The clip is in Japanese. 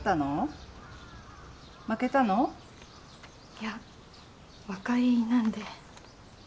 いや和解なんでその。